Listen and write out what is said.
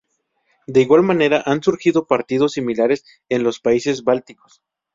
De igual manera han surgido partidos similares en los países bálticos.